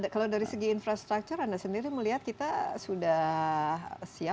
kalau dari segi infrastruktur anda sendiri melihat kita sudah siap atau belum siap